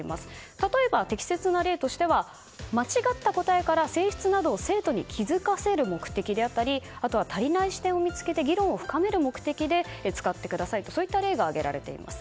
例えば、適切な例としては間違った答えから性質などを気づかせる目的であったりあとは足りない視点を見つけて議論を深める目的で使ってくださいといった例が挙げられています。